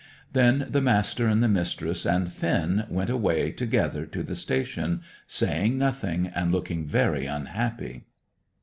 Then the Master and the Mistress and Finn went away together to the station, saying nothing, and looking very unhappy.